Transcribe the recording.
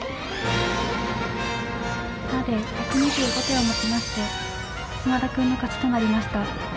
１２５手をもちまして嶋田くんの勝ちとなりました。